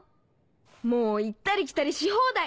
もう行ったり来たりし放題！